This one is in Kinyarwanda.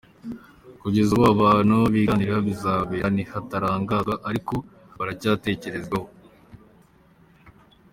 Kugeza ubu, ahantu ibi biganiro bizabera ntiharatangazwa ariko baracyahatekerezaho.